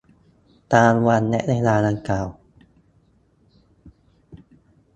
ตามวันและเวลาดังกล่าว